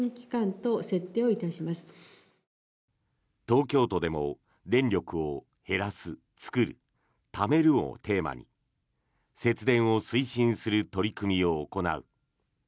東京都でも、電力を「減らす・創る・蓄める」をテーマに節電を推進する取り組みを行う。